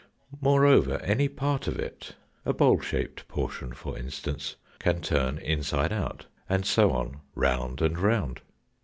Moreover, any part of it a bowl shaped portion, for instance can turn inside out, and so on round and round.